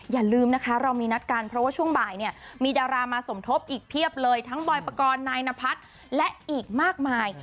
อย่าลืมนะคะเรามีนัดกันเพราะว่าช่วงบ่ายเนี่ยมีดารามาสมทบอีกเพียบเลยทั้งบอยปกรณ์นายนพัฒน์และอีกมากมาย